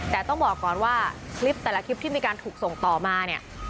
แต่ต้องบอกก่อนว่าคลิปแต่ละคลิปที่มีการถูกส่งต่อมาเนี่ย